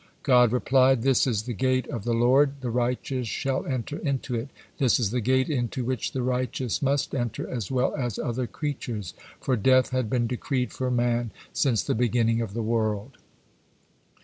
'" God replied: "'This is the gate of the Lord; the righteous shall enter into it,' this is the gate into which the righteous must enter as well as other creatures, for death had been decreed for man since the beginning of the world."